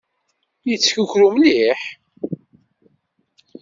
Yettkukru mliḥ.